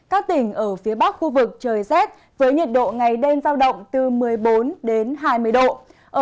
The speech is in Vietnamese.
các tỉnh ở phía bắc khu vực trời rét với nhiệt độ ngày đêm giao động từ một mươi bốn đến hai mươi độ